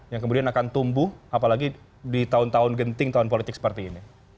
yang kemudian akan tumbuh apalagi di tahun tahun genting tahun politik seperti ini